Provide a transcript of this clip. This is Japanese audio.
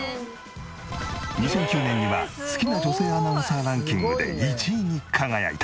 ２００９年には好きなアナウンサーランキングで１位に輝いた。